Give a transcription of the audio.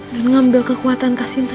dan ngambil kekuatan kak sinta